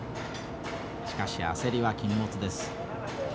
しかし焦りは禁物です。